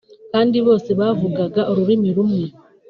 kandi bose bavugaga ururimi rumwe